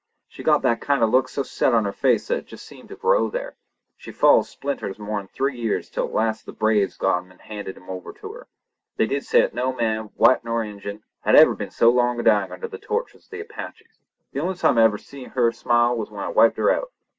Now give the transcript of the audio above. She got that kinder look so set on her face that it jest seemed to grow there. She followed Splinters mor'n three year till at last the braves got him and handed him over to her. They did say that no man, white or Injun, had ever been so long a dying under the tortures of the Apaches. The only time I ever see her smile was when I wiped her out.